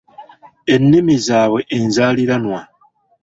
Ennimi zaabwe enzaaliranwa.